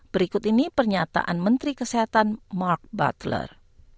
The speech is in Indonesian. berikut ini pernyataan menteri kesehatan mark butler